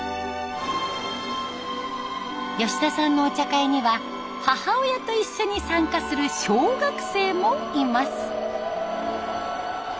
吉田さんのお茶会には母親と一緒に参加する小学生もいます。